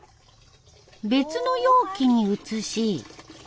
別の容器に移し。